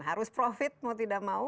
harus profit mau tidak mau